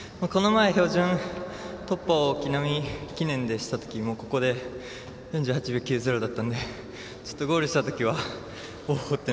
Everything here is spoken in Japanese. この前、標準突破を木南記念でしたときここで４８秒９０だったのでゴールしたときはおお！って